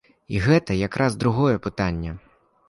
І гэта як раз другое пытанне.